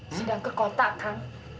sedang ke kota kang